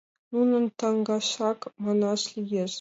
Нунын таҥашак, манаш лиеш.